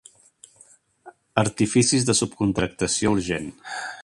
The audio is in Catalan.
Artificis de subtracció urgent.